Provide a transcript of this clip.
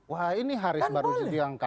wah ini harus baru dianggap